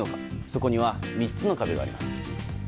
そこには３つの壁があります。